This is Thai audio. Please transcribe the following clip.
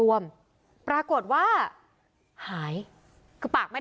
วิทยาลัยศาสตรี